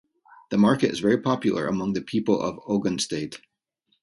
The market is very popular among the people of Ogun State.